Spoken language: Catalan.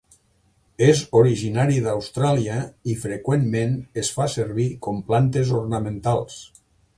És originari d'Austràlia i freqüentment es fa servir com plantes ornamentals.